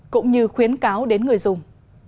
cũng như khuyến cáo đến người dùng